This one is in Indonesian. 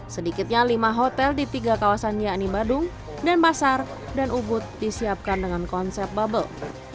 sedikitnya lima hotel di tiga kawasan yakni badung denpasar dan ubud disiapkan dengan konsep bubble